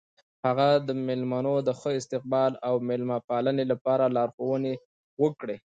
هغه د میلمنو د ښه استقبال او میلمه پالنې لپاره لارښوونې وکړې.